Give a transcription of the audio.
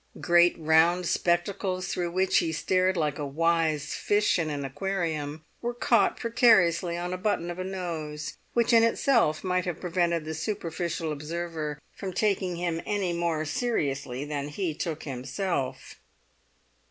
Great round spectacles, through which he stared like a wise fish in an aquarium, were caught precariously on a button of a nose which in itself might have prevented the superficial observer from taking him any more seriously than he took himself.